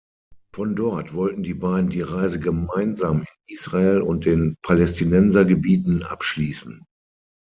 Von dort wollten die beiden die Reise gemeinsam in Israel und den Palästinensergebieten abschließen.